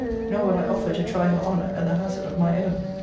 Nor will I offer to try her honour at the hazard of my own.